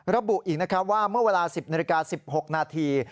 ระบุอีกนะครับว่าเมื่อเวลา๑๐นาฬิกา๑๖นาที